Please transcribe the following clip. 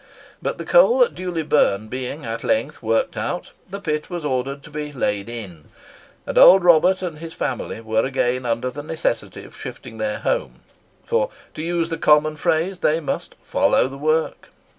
But the coal at Dewley Burn being at length worked out, the pit was ordered to be "laid in," and old Robert and his family were again under the necessity of shifting their home; for, to use the common phrase, they must "follow the wark."